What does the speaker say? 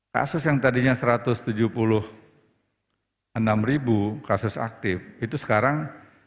kasus yang tadinya satu ratus tujuh puluh enam kasus aktif itu sekarang satu ratus empat puluh lima